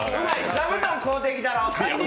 座布団買うてきたろ！